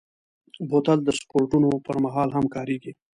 بوتل د سپورټونو پر مهال هم کارېږي.